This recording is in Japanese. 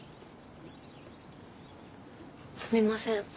すみません